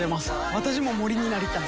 私も森になりたい。